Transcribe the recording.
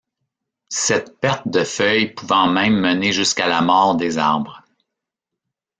Cette perte de feuille pouvant même mener jusqu'à la mort des arbres.